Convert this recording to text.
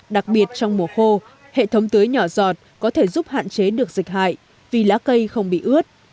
đặc biệt trong mùa khô hệ thống tưới nhỏ giọt có thể giúp hạn chế được dịch hại vì lá cây không bị ướt